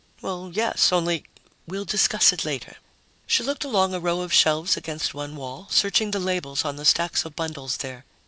"Well, yes. Only " "We'll discuss it later." She looked along a row of shelves against one wall, searching the labels on the stacks of bundles there.